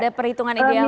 ada perhitungan idealnya